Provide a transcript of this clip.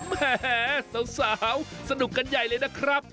แหมสาวสนุกกันใหญ่เลยนะครับ